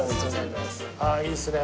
ああいいっすね。